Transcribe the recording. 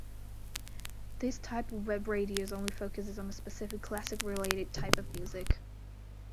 This type of webradios only focuses on a specific classic-related type of music.